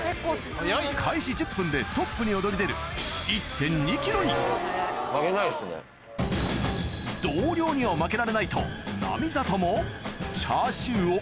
トップに躍り出る同僚には負けられないと並里もチャーシューを大口で